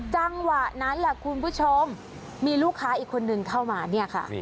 จังหวะนั้นแหละคุณผู้ชมมีลูกค้าอีกคนนึงเข้ามาเนี่ยค่ะ